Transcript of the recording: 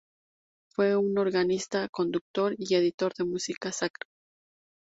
Fue un organista, conductor y editor de música sacra.